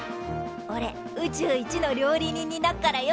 おれ宇宙一の料理人になっからよ！